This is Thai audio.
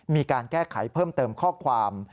มีการแก้ไขเพิ่มเติมข้อความ